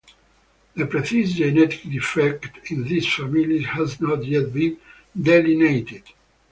The precise genetic defect in these families has not yet been delineated.